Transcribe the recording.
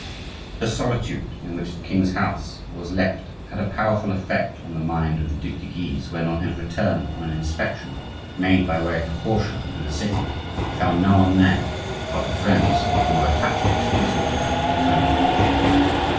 The solitude in which the king's house was left had a powerful effect on the mind of the Duc de Guise when, on his return from an inspection, made by way of precaution through the city, he found no one there but the friends who were attached exclusively to his own fortunes.